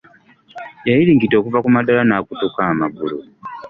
Yayiringita okuva ku madaala n'akutuka amagulu.